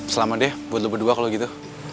selamat deh buat lo berdua kalau gitu